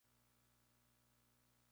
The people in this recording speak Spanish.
Habita en Singapur.